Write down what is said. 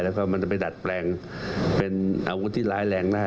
แล้วก็มันจะไปดัดแปลงเป็นอาวุธที่ร้ายแรงนะฮะ